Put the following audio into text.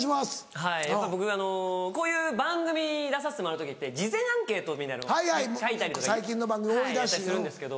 はいやっぱ僕こういう番組に出させてもらう時って事前アンケートみたいなの書いたりとかやったりするんですけど。